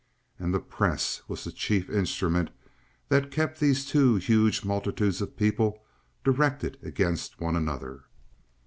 And the press was the chief instrument that kept these two huge multitudes of people directed against one another.